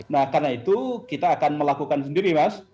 nah karena itu kita akan melakukan sendiri mas